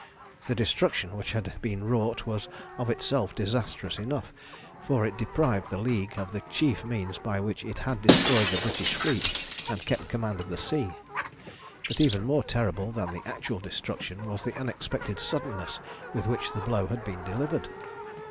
The destruction which had been wrought was of itself disastrous enough, for it deprived the League of the chief means by which it had destroyed the British fleet and kept command of the sea. But even more terrible than the actual destruction was the unexpected suddenness with which the blow had been delivered.